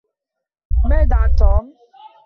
ماذا عن "توم"؟